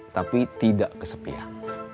tapi tidak kesepian